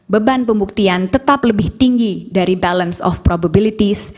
beban pembuktian tetap lebih tinggi dari balance of probabilities